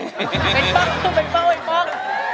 เป็นเบ้า